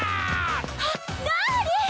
はっダーリン！